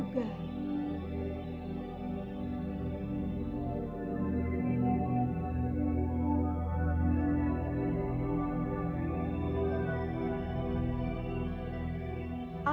tidak ada perbedaan